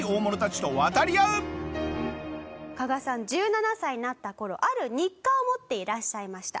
１７歳になった頃ある日課を持っていらっしゃいました。